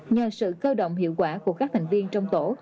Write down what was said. nhờ sự cơ động hiệu quả của các thành viên trong tổ